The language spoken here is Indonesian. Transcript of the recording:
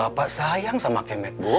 bapak sayang sama akemet bu